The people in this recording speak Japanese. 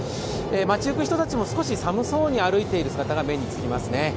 街ゆく人たちも少し寒そうに歩いている姿が目につきますね。